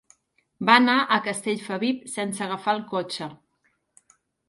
Va anar a Castellfabib sense agafar el cotxe.